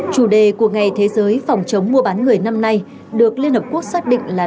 chủ đề của ngày thế giới phòng chống mua bán người năm nay được liên hợp quốc xác định là